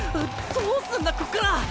どうすんだ⁉こっから。